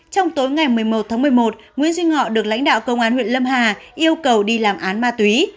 trong tối ngày một mươi một tháng một mươi một nguyễn duy ngọ được lãnh đạo công an huyện lâm hà yêu cầu đi làm án ma túy